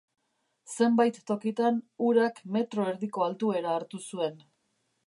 Zenbait tokitan, urak metro erdiko altuera hartu zuen.